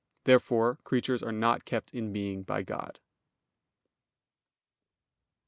Therefore creatures are not kept in being by God.